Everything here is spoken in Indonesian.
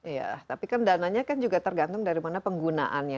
iya tapi kan dananya kan juga tergantung dari mana penggunaannya